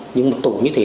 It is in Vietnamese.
nhưng một tù như thế